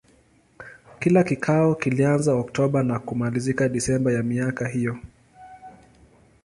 Kila kikao kilianza Oktoba na kumalizika Desemba ya miaka hiyo.